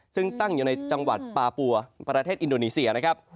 ซึ่งตั้งอยู่ในจังหวัดปาปัวประเทศอินโดนีเซียนะครับ